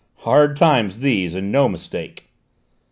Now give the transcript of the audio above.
"Hard times, these, and no mistake!"